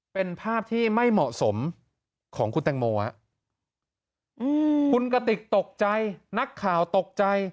เป็นภาพที่ไม่เหมาะสมของคุณแตงโมฮะอืมคุณกติกตกใจนักข่าวตกใจ